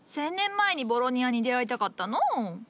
１，０００年前にボロニアに出会いたかったのう。